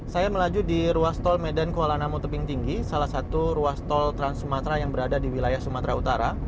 saya melaju di ruas tol medan kuala namu tebing tinggi salah satu ruas tol trans sumatera yang berada di wilayah sumatera utara